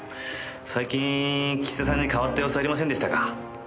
最近岸田さんに変わった様子はありませんでしたか？